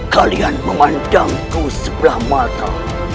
kalian memandangku sebelah mata